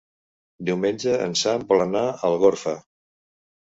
Diumenge en Sam vol anar a Algorfa.